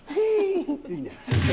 いいね。